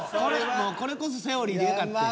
これこそセオリーでよかってん。